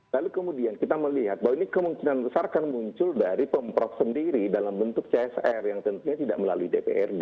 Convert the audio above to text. lalu kemudian kita melihat bahwa ini kemungkinan besar akan muncul dari pemprov sendiri dalam bentuk csr yang tentunya tidak melalui dprd